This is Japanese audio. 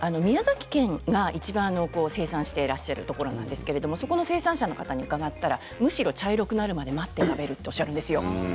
宮崎県が、いちばん生産してらっしゃるところなんですけど生産者の方に伺ったらむしろ茶色くなるまで待って食べるとおっしゃるんです。